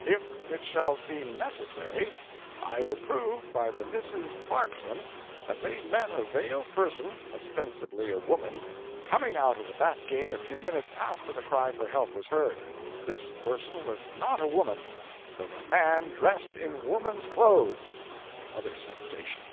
] If it shall seem necessary, I will prove by the Misses Clarkson that they met a veiled person ostensibly a woman coming out of the back gate a few minutes after the cry for help was heard. This person was not a woman, but a man dressed in woman's clothes." Another sensation.